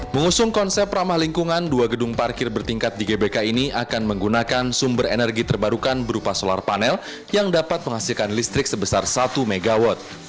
mengusung konsep ramah lingkungan dua gedung parkir bertingkat di gbk ini akan menggunakan sumber energi terbarukan berupa solar panel yang dapat menghasilkan listrik sebesar satu mw